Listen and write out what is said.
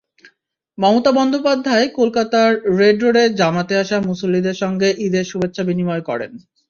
মমতা বন্দ্যোপাধ্যায় কলকাতার রেড রোডে জামাতে আসা মুসল্লিদের সঙ্গে ঈদের শুভেচ্ছাবিনিময় করেন।